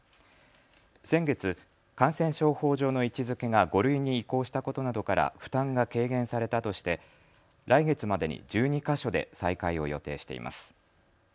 先月、感染症法上の位置づけが５類に移行したことなどから負担が軽減されたとして来月までに１２か所で再開を予定しています。